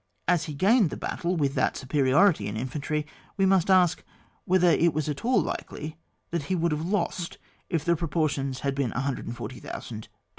As he gained the battle with that superiority in infantry, we may ask whether it was at all likely that he would have lost it if the proportions had been 140,000 to 40,000.